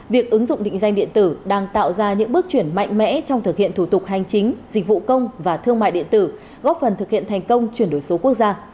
việc ứng dụng định danh điện tử đang tạo ra những bước chuyển mạnh mẽ trong thực hiện thủ tục hành chính dịch vụ công và thương mại điện tử góp phần thực hiện thành công chuyển đổi số quốc gia